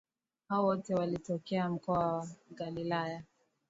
Hao wote walitokea mkoa wa Galilaya